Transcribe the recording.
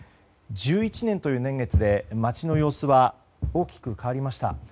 １１年という年月で街の様子は大きく変わりました。